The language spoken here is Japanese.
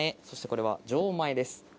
そしてこれは「錠前」です。